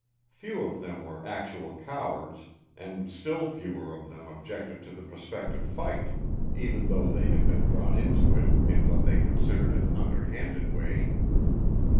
Few of them were actual cowards, and still fewer of them objected to the prospective fight, even though they had been drawn into it in what they considered an underhanded way.